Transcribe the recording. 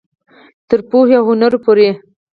تر پوهې او هنره پورې.